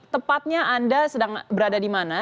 tepatnya anda sedang berada di mana